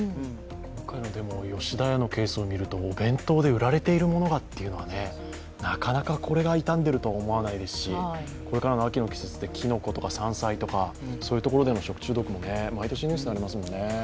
今回の吉田屋のケースを見るとお弁当で売られているものがっていうのがなかなかこれが傷んでいるとは思わないですしこれからの秋の季節できのことか山菜などの食中毒も毎年ニュースになりますもんね。